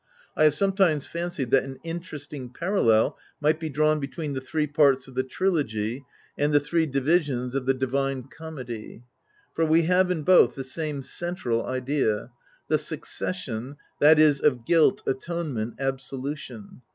I have sometimes fancied that an interesting parallel might be drawn between the three parts of the Trilogy, and the three divisions of the Divina Commedia. For we have in both, the same central idea ; the succession, that is, of guilt, atone ment, absolution.